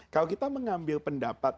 kalau kita mengambil pendapat